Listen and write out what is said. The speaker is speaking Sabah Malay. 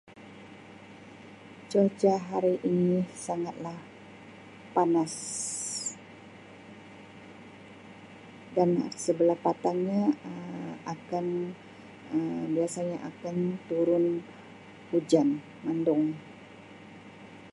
Cuaca hari ini sangatlah panas dan sabalah patangnya Um akan Um biasanya akan turun hujan, mendung.